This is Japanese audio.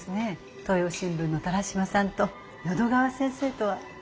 東洋新聞の田良島さんと淀川先生とは。